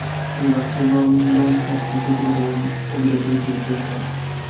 তিনি 'মার্কসীয় নন্দনতাত্ত্বিকদের পুরোধা' অভিধায় পরিচিত ছিলেন।